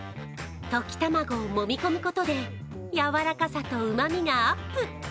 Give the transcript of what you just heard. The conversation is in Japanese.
溶き卵をもみ込むことで柔らかさと、うまみがアップ。